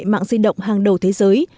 mạng di động hàng đầu thế giới